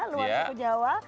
luar suku jawa